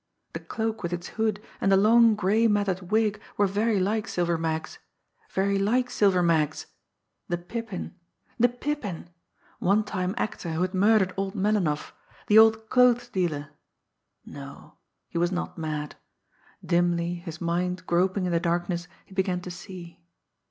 The cloak with its hood, and the long, gray matted wig were very like Silver Mag's very like Silver Mag's! The Pippin! The Pippin! one time actor who had murdered old Melinoff, the old clothes dealer! No he was not mad! Dimly, his mind groping in the darkness, he began to see.